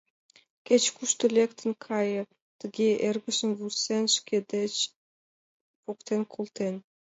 Кеч-кушко лектын кае!» — тыге эргыжым вурсен, шкеж деч поктен колтен...